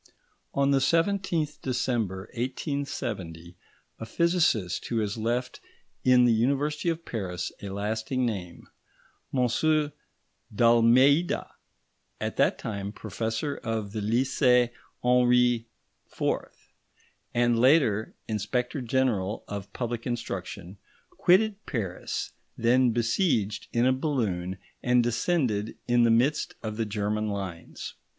On the 17th December 1870, a physicist who has left in the University of Paris a lasting name, M. d'Almeida, at that time Professor at the Lycée Henri IV. and later Inspector General of Public Instruction, quitted Paris, then besieged, in a balloon, and descended in the midst of the German lines.